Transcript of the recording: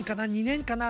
２年かな？